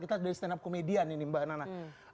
kita dari stand up komedian ini mbak nana